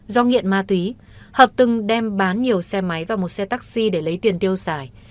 do nghiện ma túy hợp từng đem bán nhiều xe máy và một xe taxi để lấy tiền tiêu xài